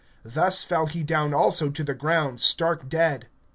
Thus fell he down also to the ground stark dead.